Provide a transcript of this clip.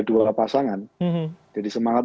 dua pasangan jadi semangat